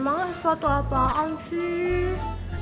emangnya sesuatu apaan sih